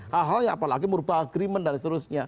hal hal ya apalagi merubah agreement dan seterusnya